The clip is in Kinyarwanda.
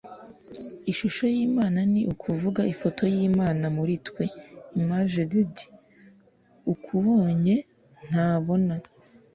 ishusho y'imana ni ukuvuga ifoto y'imana muri twe (image de dieu) ukubonye ntabona